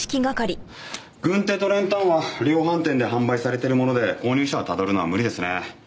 軍手と練炭は量販店で販売されてるもので購入者をたどるのは無理ですね。